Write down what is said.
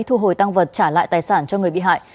thu hồi tăng vật trả lại tài sản cho người bị hại